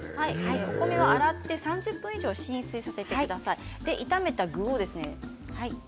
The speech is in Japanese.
お米は洗って３０分以上浸水させてください。